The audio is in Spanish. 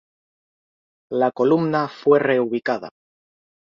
La columna fue reubicada.